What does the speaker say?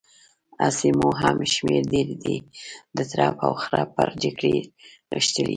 هسې مو هم شمېر ډېر دی، د ترپ او خرپ پر جګړې غښتلي يو.